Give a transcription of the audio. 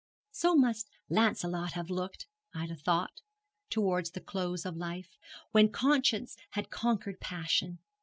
So must Lancelot have looked, Ida thought, towards the close of life, when conscience had conquered passion.